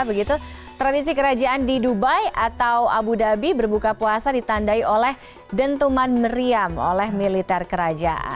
begitu tradisi kerajaan di dubai atau abu dhabi berbuka puasa ditandai oleh dentuman meriam oleh militer kerajaan